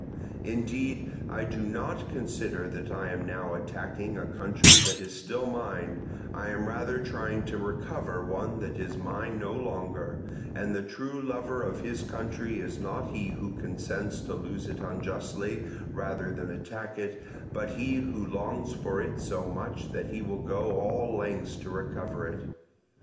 Indeed I do not consider that I am now attacking a country that is still mine; I am rather trying to recover one that is mine no longer; and the true lover of his country is not he who consents to lose it unjustly rather than attack it, but he who longs for it so much that he will go all lengths to recover it.